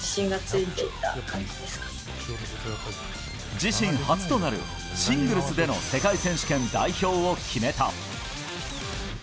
自身初となるシングルスでの世界選手権代表を決めた。